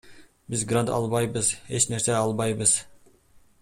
Биз грант албайбыз, эч нерсе албайбыз.